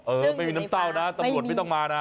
เออไม่มีน้ำเต้านะตำรวจไม่ต้องมานะ